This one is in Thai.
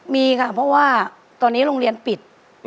มีค่ะเพราะว่าตอนนี้โรงเรียนปิด